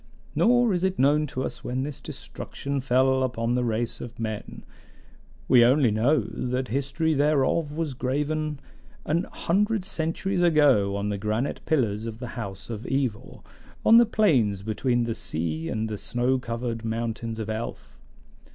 Nor is it known to us when this destruction fell upon the race of men; we only know that the history thereof was graven an hundred centuries ago on the granite pillars of the House of Evor, on the plains between the sea and the snow covered mountains of Elf.